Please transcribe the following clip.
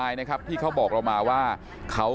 ตอนนี้ก็เปลี่ยนแบบนี้แหละ